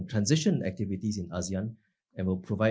di asean tentang aktivitas perubahan dan transisi